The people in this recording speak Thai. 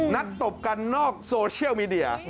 ตบกันนอกโซเชียลมีเดีย